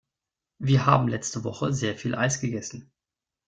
Wir haben letzte Woche sehr viel Eis gegessen.